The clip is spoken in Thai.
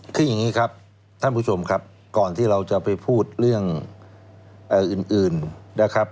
คืออย่างนี้ครับท่านผู้ชมครับก่อนที่เราจะไปพูดเรื่องอื่นนะครับ